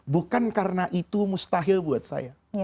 bukan karena itu mustahil buat saya